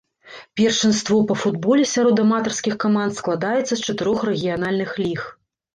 Першынство па футболе сярод аматарскіх каманд складаецца з чатырох рэгіянальных ліг.